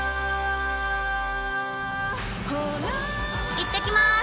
行ってきます。